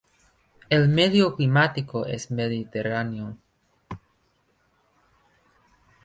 El medio climático es mediterráneo.